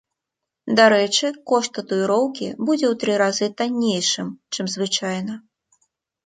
Дарэчы, кошт татуіроўкі будзе ў тры разы таннейшым, чым звычайна.